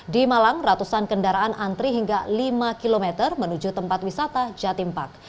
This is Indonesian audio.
di malang ratusan kendaraan antri hingga lima km menuju tempat wisata jatimpak